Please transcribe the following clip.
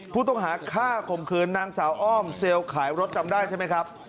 ผู้ต้องหาฆ่าข่มขืนนางสาวอ้อมเซลล์ขายรถจำได้ใช่ไหมครับ